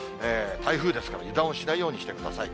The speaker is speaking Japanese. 台風ですから、油断をしないようにしてください。